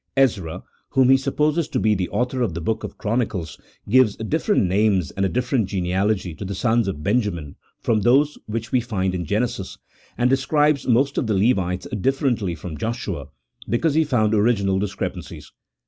Ezra (whom he supposes to be the author of the book of Chronicles) gives different names and a different genealogy to the sons of Benjamin from those which we find in Genesis, and describes most of the Levites differently from Joshua, because he found original discrepancies."